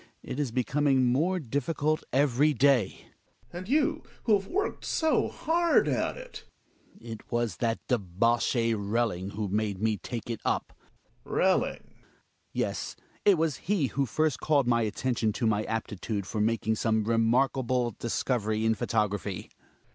It is becoming more diffi ^ cult every day Gregers. And you, who have worked so hard at it Hjalmar. It was that debauchee Relling, who made me take it up. Gregers. Relling? Hjalmar. Yes, it wag he who first called my atten tion to my aptitude for making some remarkable dis covery in photography.